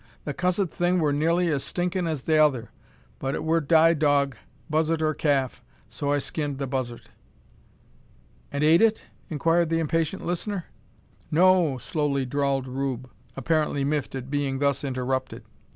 "The cussed thing wur nearly as stinkin' as t'other, but it wur die dog buzzart or calf so I skinned the buzzart." "And ate it?" inquired an impatient listener. "No o," slowly drawled Rube, apparently "miffed" at being thus interrupted.